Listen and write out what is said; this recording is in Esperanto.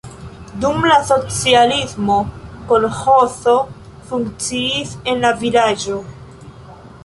Dum la socialismo kolĥozo funkciis en la vilaĝo.